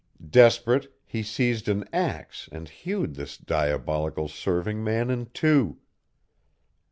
Desperate, he seized an axe and hewed this diabolical serving man in two.